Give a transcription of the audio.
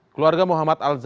keluarga muhammad al zahra